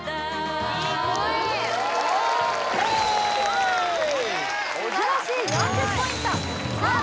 素晴らしい４０ポイントさあ・